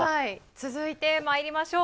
続いて参りましょう。